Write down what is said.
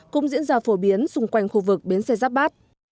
cũng diễn ra phổ biến xung quanh khu vực bến xe giáp bát